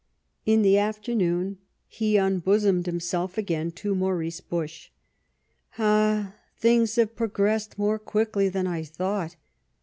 In the afternoon he unbosomed himself again to Maurice Busch. " Ah ! things have progressed more quickly than I thought.